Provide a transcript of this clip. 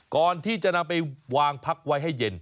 ก่อนที่จะนำไปวางพักไว้ให้เย็น